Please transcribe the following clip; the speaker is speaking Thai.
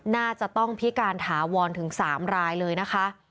น่าจะต้องพิการถาวรถึง๓รายเลยนะคะ